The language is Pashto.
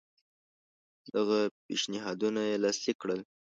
د هغه پېشنهادونه یې لاسلیک کړل.